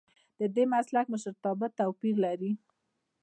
ددې مسلک مشرتابه توپیر لري.